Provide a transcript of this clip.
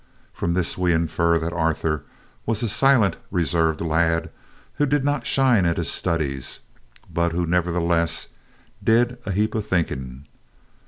From this we infer that Arthur was a silent, reserved lad, who did not shine at his studies, but who nevertheless did "a heap of thinking."